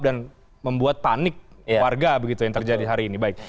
dan membuat panik warga yang terjadi hari ini